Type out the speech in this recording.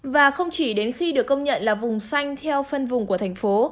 và không chỉ đến khi được công nhận là vùng xanh theo phân vùng của thành phố